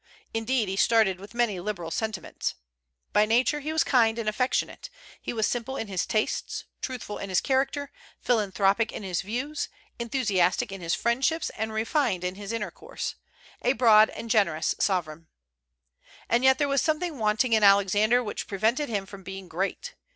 Indeed, he started with many liberal sentiments. By nature he was kind and affectionate; he was simple in his tastes, truthful in his character, philanthropic in his views, enthusiastic in his friendships, and refined in his intercourse, a broad and generous sovereign. And yet there was something wanting in Alexander which prevented him from being great.